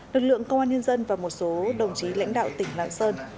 lực lượng công an nhân dân và một số đồng chí lãnh đạo tỉnh lạng sơn